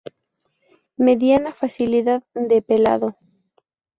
Mediana facilidad de pelado.